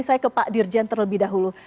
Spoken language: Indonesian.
saya ke pak dirjen terlebih dahulu